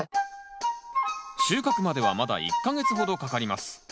収穫まではまだ１か月ほどかかります。